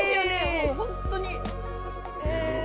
もう本当に。